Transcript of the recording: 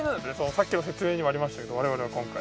さっきの説明にもありましたけど我々は今回。